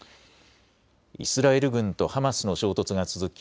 イスラエル軍とハマスの衝突が続き